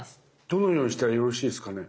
どのようにしたらよろしいですかね？